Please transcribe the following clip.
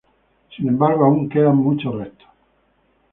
Sin embargo, aún quedan muchos retos.